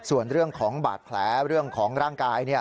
ส่วนเรื่องของบาดแผลเรื่องของร่างกาย